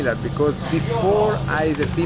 tapi kadang kadang berbeda